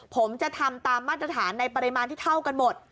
ผมจะทำตามมาตรฐานในปริมาณที่เท่ากันหมด